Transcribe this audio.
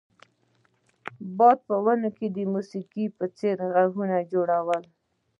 باد په ونو کې د موسیقۍ په څیر غږونه جوړول